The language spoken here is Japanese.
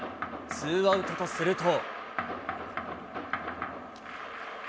ツーアウトとすると。